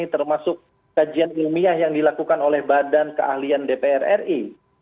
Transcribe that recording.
termasuk kajian ilmiah yang dilakukan oleh badan keahlian dpr ri